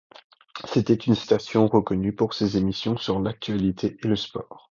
C'était une station reconnue pour ses émissions sur l'actualité et le sport.